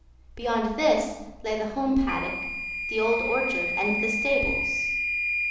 Beyond this lay the home paddock, the old orchard, and the stables.